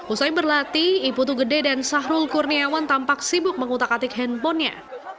usai berlatih iputu gede dan sahrul kurniawan tampak sibuk mengutak atik handphonenya